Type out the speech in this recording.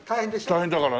大変だからね